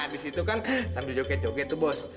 di situ kan sambil joget joget tuh bos